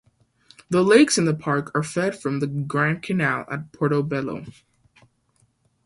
The lakes in the park are fed from the Grand Canal at Portobello.